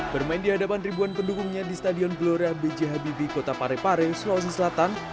bermain di hadapan ribuan pendukungnya di stadion gloria bghbb kota parepare sulawesi selatan